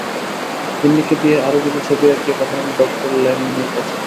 তিন্নিকে দিয়ে আরো কিছু ছবি আঁকিয়ে পাঠাবেন ডঃ লংম্যানের কাছে।